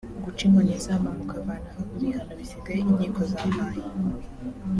guca inkoni izamba mukamvanaho ibihano bisigaye inkiko zampaye